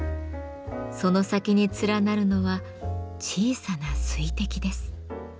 その先に連なるのは小さな水滴です。